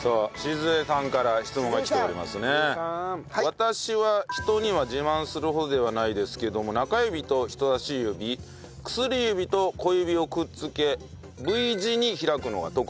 私は人には自慢するほどではないですけども中指と人さし指薬指と小指をくっつけＶ字に開くのが特技です。